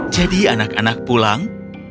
jadi anak anak pulang